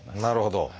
なるほど。